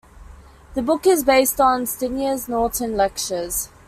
The book is based on Steiner's Norton lectures.